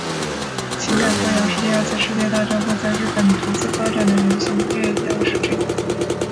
情感歌谣是第二次世界大战后在日本独自发展的流行音乐样式之一。